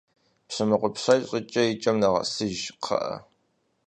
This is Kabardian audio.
Пщымыгъупщэж щӀыкӀэ, и кӀэм нэгъэсыж, кхъыӀэ.